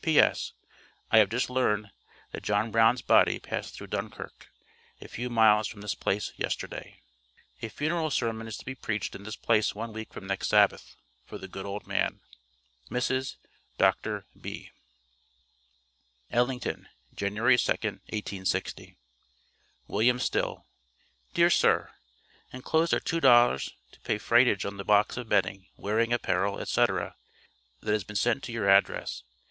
P.S. I have just learned that John Brown's body passed through Dunkirk, a few miles from this place, yesterday. A funeral sermon is to be preached in this place one week from next Sabbath, for the good old man. Mrs. DR. B. ELLINGTON, Jan. 2d, 1860. WILLIAM STILL: Dear Sir: Enclosed are $2,00, to pay freightage on the box of bedding, wearing apparel, etc., that has been sent to your address.